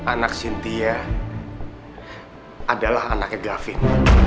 anak sintia adalah anaknya gavin